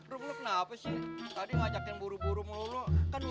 rum lu kenapa sih tadi ngajakin buru buru mulu mulu